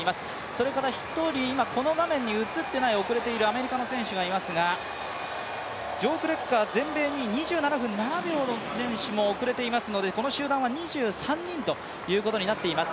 それから１人、この画面に映っていないアメリカの選手がいますが、ジョー・クレッカー全米２位、２７分７秒の選手も遅れていますのでこの集団は２３人ということになっています。